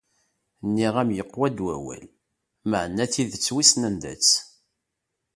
Nniɣ-am yeqwa-d wawal, maɛna tidet wissen anda-tt ?